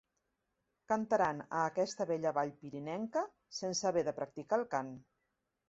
Cantaran a aquesta bella vall pirinenca sense haver de practicar el cant.